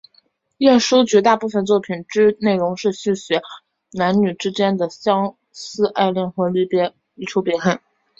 晏殊绝大部分作品之内容是抒写男女之间的相思爱恋和离愁别恨。